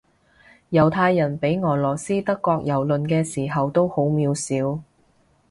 猶太人畀俄羅斯德國蹂躪嘅時候都好渺小